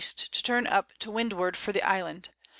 to turn up to Windward for the Island.